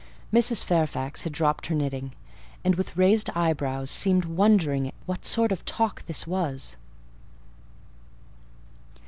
Mrs. Fairfax had dropped her knitting, and, with raised eyebrows, seemed wondering what sort of talk this was.